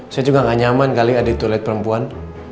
saya juga gak nyaman kali ada toilet perempuan